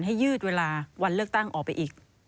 ยืดเวลาวันเลือกตั้งออกไปอีก